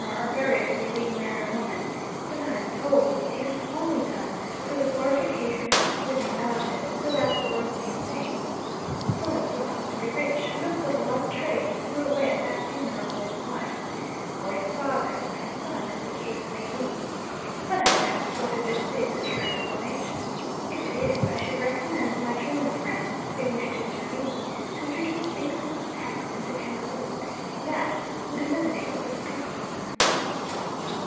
are buried with a big man or woman; but I am told it is only done for the glorification of his living relatives, so that the world may say, "So and so must be rich, look what a lot of trade he threw away at that funeral of his wife," or his father, or his son, as the case may be; but I doubt whether this is the true explanation. If it is, I should recommend my German friends, if they wish to intervene, to introduce the income tax into Cameroon that would eliminate this custom.